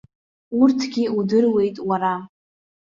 Урҭгьы удыруеит уара.